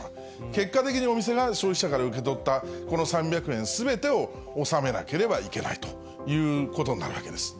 結果的にお店が消費者から受け取ったこの３００円すべてを納めなければいけないということになるわけですね。